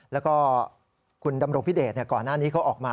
แล้วก็คุณดำรงพิเดชก่อนหน้านี้เขาออกมา